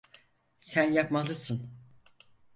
Sen yapmalısın.